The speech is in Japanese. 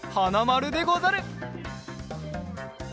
まるでござる！